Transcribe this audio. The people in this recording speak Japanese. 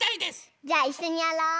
じゃあいっしょにやろう！